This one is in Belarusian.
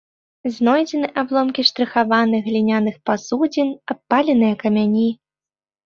Знойдзены абломкі штрыхаваных гліняных пасудзін, абпаленыя камяні.